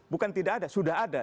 bukan tidak ada sudah ada